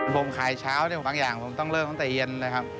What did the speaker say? ผมขายเช้าบางอย่างผมต้องเริ่มตั้งแต่เย็นนะครับ